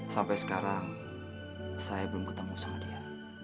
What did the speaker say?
sampai sekarang saya belum ketemu sama dia